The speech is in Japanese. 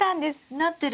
なってる。